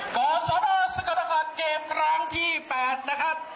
ก่อสอนอสกรรมการเก็บกรางที่๘นะครับ